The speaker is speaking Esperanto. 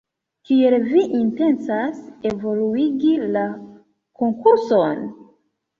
Kiel vi intencas evoluigi la konkurson?